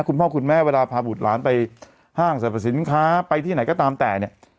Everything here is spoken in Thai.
คุณพ่อคุณแม่เวลาพาบุตรหลานไปห้างสรรพสินค้าไปที่ไหนก็ตามแต่เนี่ย